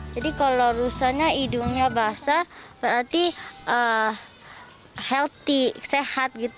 jadi kalau rusanya hidungnya basah berarti healthy sehat gitu